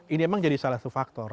ini memang jadi salah satu faktor